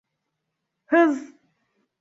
Hız!